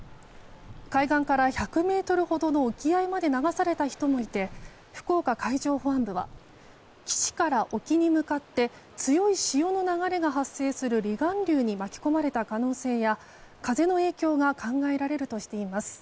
海岸から１００ｍほどの沖合まで流された人もいて福岡海上保安部は岸から沖に向かって強い潮の流れが発生する離岸流に巻き込まれた可能性や風の影響が考えられるとしています。